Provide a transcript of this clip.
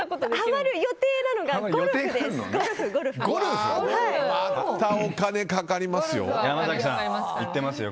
またお金かかりますよ。